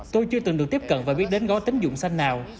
tôi chưa từng được tiếp cận và biết đến gói tính dụng xanh nào